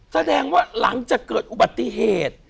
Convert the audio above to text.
แสดงว่าหลังจากเกิดอุบัติเหตุ